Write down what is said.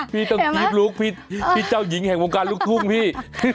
พี่ต้องกรี๊บลูกพี่เจ้าหญิงแห่งวงการลูกทุ่งพี่